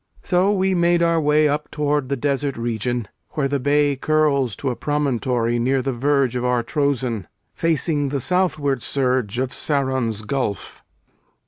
So we made our way Up toward the desert region, where the bay Curls to a promontory near the verge Of our Trozên, facing the southward surge Of Saron's gulf.